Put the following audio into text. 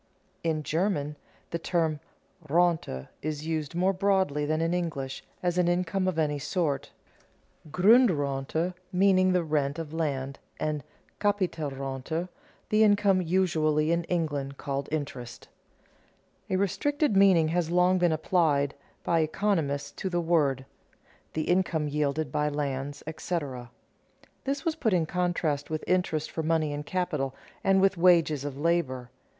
In German the term Rente is used more broadly than in English, as an income of any sort, Grundrente meaning the rent of land, and Capitalrente the income usually in England called interest. A restricted meaning has long been applied by economists to the word: the income yielded by lands, etc. This was put in contrast with interest for money and capital, and with wages of labor.